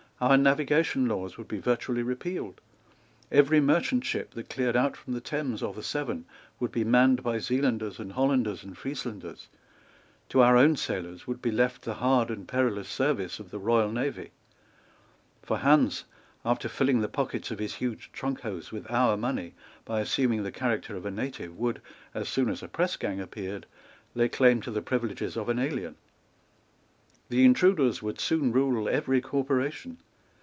Our Navigation Laws would be virtually repealed. Every merchant ship that cleared out from the Thames or the Severn would be manned by Zealanders and Hollanders and Frieslanders. To our own sailors would be left the hard and perilous service of the royal navy. For Hans, after filling the pockets of his huge trunk hose with our money by assuming the character of a native, would, as soon as a pressgang appeared, lay claim to the privileges of an alien. The intruders would soon rule every corporation.